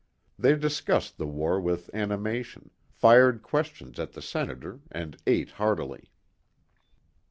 They discussed the war with animation, fired questions at the senator and ate heartily.